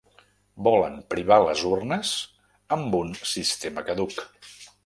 Volen privar les urnes amb un sistema caduc.